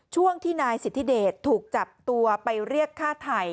ช่วงที่นายสิทธิเดชถูกจับตัวไปเรียกฆ่าไทย